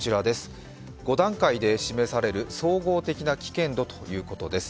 ５段階で示される総合的な危険度ということです。